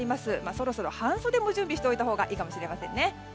そろそろ半袖も準備しておいたほうがいいかもしれませんね。